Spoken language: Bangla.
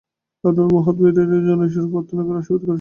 আপনার মহৎ হৃদয়ের জন্য ঈশ্বর আপনাকে আশীর্বাদ করেছেন।